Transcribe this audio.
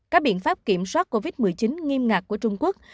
các biện pháp kiểm soát covid một mươi chín nghiêm ngặt của trung quốc